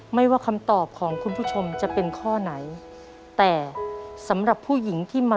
ไม่ว่าคำตอบของคุณผู้ชมจะเป็นข้อไหน